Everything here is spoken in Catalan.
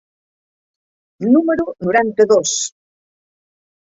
número noranta-dos.